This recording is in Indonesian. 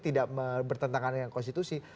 tidak bertentangan dengan konstitusi